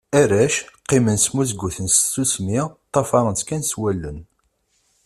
Arrac, qqimen smuzguten s tsusmi, ṭṭafaren-tt kan s wallen.